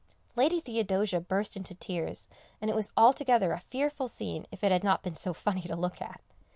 Lady Theodosia burst into tears, and it was altogether a fearful scene if it had not been so funny to look at.